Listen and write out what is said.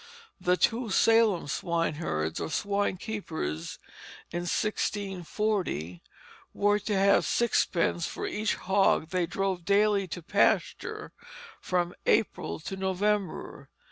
The two Salem swineherds or swine keepers in 1640 were to have sixpence for each hog they drove daily to pasture from April to November.